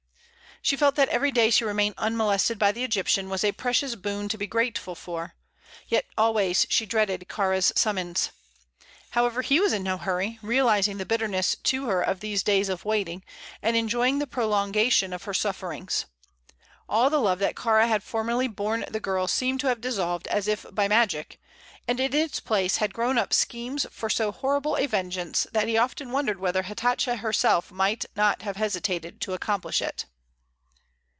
She felt that every day she remained unmolested by the Egyptian was a precious boon to be grateful for, yet always she dreaded Kāra's summons. However, he was in no hurry, realizing the bitterness to her of these days of waiting, and enjoying the prolongation of her sufferings. All the love that Kāra had formerly borne the girl seemed to have dissolved as if by magic, and in its place had grown up schemes for so horrible a vengeance that he often wondered whether Hatatcha herself might not have hesitated to accomplish it.